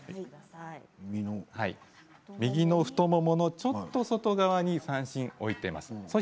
右の太もものちょっと外側に三線の置いています。